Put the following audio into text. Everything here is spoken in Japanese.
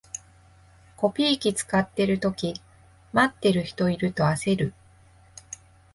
コピー機使ってるとき、待ってる人いると焦る